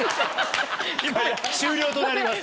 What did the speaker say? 終了となります。